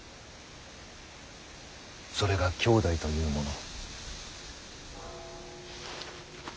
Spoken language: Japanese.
それが兄弟というもの。